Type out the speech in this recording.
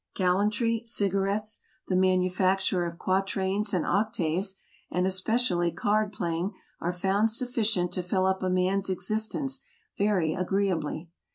Gallantry, cigarettes, the manufacture of quatrains and octaves, and especially card playing, are found sufficient to fill up a man's existence very agreeably.